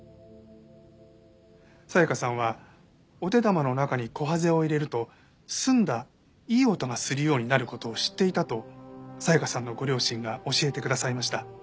紗香さんはお手玉の中にコハゼを入れると澄んだいい音がするようになる事を知っていたと紗香さんのご両親が教えてくださいました。